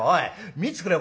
見てくれよ